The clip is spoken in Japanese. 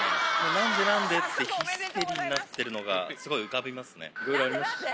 なんでなんで？ってヒステリーになってるのが、すごい浮かびますいろいろありましたからね。